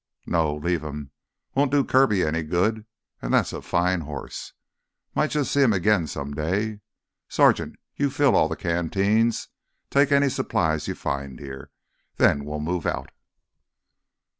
"No, leave him. Won't do Kirby any good and that's a fine horse—might just see him again some day. Sergeant, you fill all the canteens; take any supplies you find here. Then we'll move out."